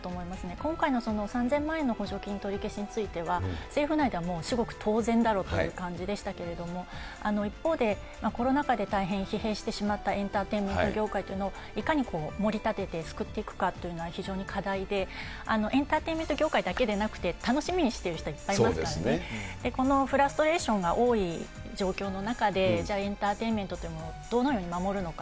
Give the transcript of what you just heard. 今回の３０００万円の補助金取り消しについては、政府内ではもう至極当然だろうという感じでしたけれども、一方で、コロナ禍で大変疲弊してしまったエンターテインメント業界をいかに盛り立てて救っていくかというのが非常に大切で、エンターテインメント業界だけでなくて、楽しみにしている人はいっぱいいますからね、このフラストレーションが多い状況の中で、じゃあ、エンターテインメントというのをどのように守るのか。